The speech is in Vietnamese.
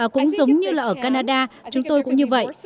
cũng giống như là ở canada chúng tôi cũng như vậy